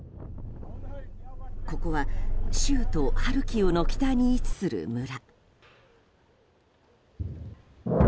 ここは州都ハルキウの北に位置する村。